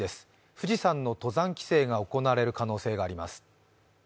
富士山の登山規制が行われる可能性があります。